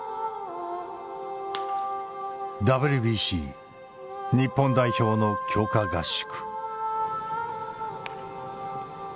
ＷＢＣ日本代表の強化合宿。